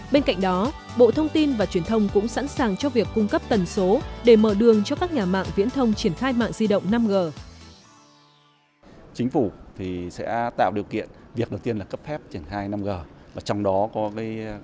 bên cạnh đó bộ thông tin và truyền thông cũng sẵn sàng cho việc cung cấp tần số để mở đường cho các nhà mạng viễn thông triển khai mạng di động năm g